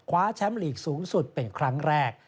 แชมป์ลีกสูงสุดเป็นครั้งแรก